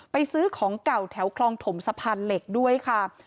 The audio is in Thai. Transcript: ซื้อของเก่าแถวคลองถมสะพานเหล็กด้วยค่ะ